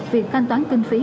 việc thanh toán kinh phí